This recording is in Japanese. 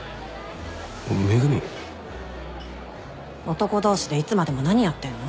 男同士でいつまでも何やってんの？